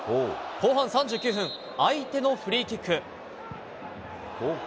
後半３９分、相手のフリーキック。